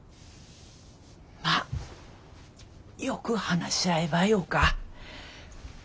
まあよく話し合えばよか。